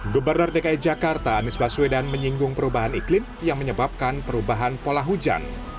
gubernur dki jakarta anies baswedan menyinggung perubahan iklim yang menyebabkan perubahan pola hujan